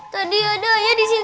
tadi ada ayah disini